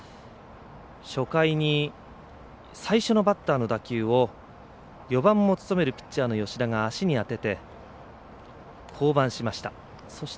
初回に最初のバッターの打球を４番も務めるピッチャーの吉田が足に当てて降板しました。